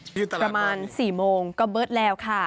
ประมาณ๔โมงก็เบิร์ตแล้วค่ะ